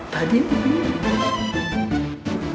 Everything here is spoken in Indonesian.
tadi ya lo nganggur